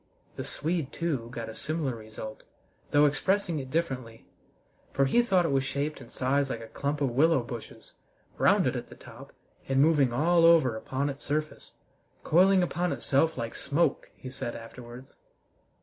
The Swede, too, got a similar result, though expressing it differently, for he thought it was shaped and sized like a clump of willow bushes, rounded at the top, and moving all over upon its surface "coiling upon itself like smoke," he said afterwards.